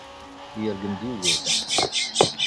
Yergem-d Yugurten.